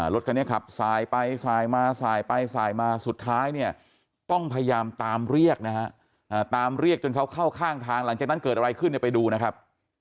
รถคันนี้ขับสายไปสายมาสายไปสายมาสุดท้ายเนี่ยต้องพยายามตามเรียกนะฮะตามเรียกจนเขาเข้าข้างทางหลังจากนั้นเกิดอะไรขึ้นเนี่ยไปดูนะครับ